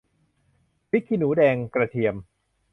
พริกขี้หนูแดง กระเทียม